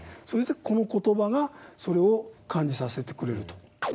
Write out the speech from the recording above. この言葉がそれを感じさせてくれると。